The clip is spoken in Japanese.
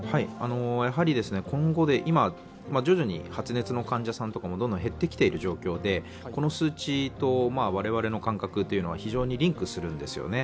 やはり今後、徐々に発熱の患者さんもどんどん減ってきている状況で、この数値と我々の感覚は非常にリンクするんですよね。